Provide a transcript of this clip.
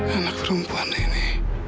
anak perempuan ini